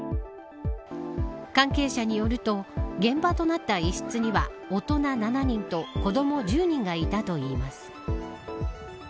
関係者によると現場となった一室には大人７人と子ども１０人がいたといいます。